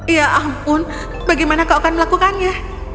ya ampun bagaimana kau akan melakukannya